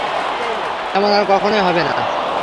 এমন আর কখনোই হইবে না।